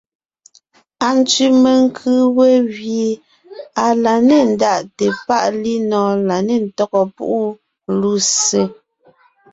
Antsẅì menkʉ̀ we gẅie à la nê ndaʼte páʼ linɔ̀ɔn la nê ntɔ́gɔ púʼu lussé.